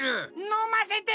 のませて！